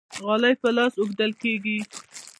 غالۍ په لاس اوبدل کیږي.